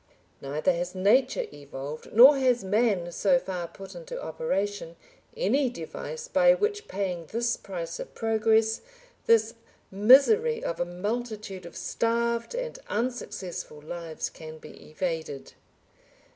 Neither has Nature evolved, nor has man so far put into operation, any device by which paying this price of progress, this misery of a multitude of starved and unsuccessful lives can be evaded.